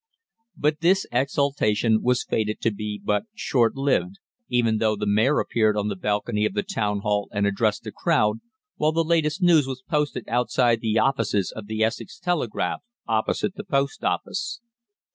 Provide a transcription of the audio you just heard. "But this exultation was fated to be but short lived, even though the Mayor appeared on the balcony of the Town Hall and addressed the crowd, while the latest news was posted outside the offices of the 'Essex Telegraph,' opposite the post office.